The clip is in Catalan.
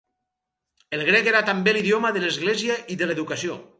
El grec era també l'idioma de l'Església i de l'educació.